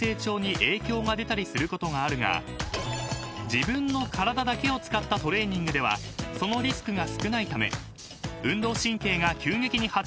［自分の体だけを使ったトレーニングではそのリスクが少ないため］